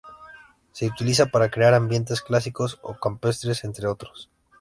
Se utiliza para crear ambientes clásicos o campestres entre otros.